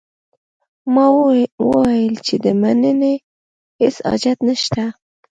ما وویل چې د مننې هیڅ حاجت نه شته.